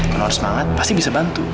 kalau harus semangat pasti bisa bantu